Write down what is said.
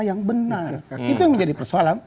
yang benar itu yang menjadi persoalan